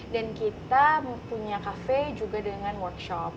dan kita punya cafe juga dengan workshop